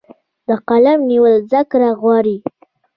د قلم نیول زده کړه غواړي.